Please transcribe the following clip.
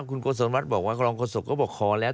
คุณโกศลวัฒน์บอกว่ารองโฆษกก็บอกขอแล้ว